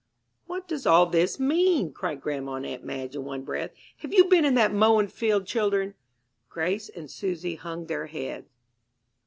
"What does all this mean?" cried grandma and aunt Madge in one breath. "Have you been in that mowing field, children?" Grace and Susy hung their heads.